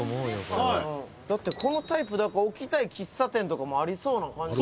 「だってこのタイプだから置きたい喫茶店とかもありそうな感じ」